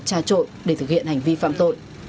trả trội để thực hiện hành vi phạm tội